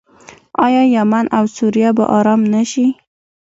آیا یمن او سوریه به ارام نشي؟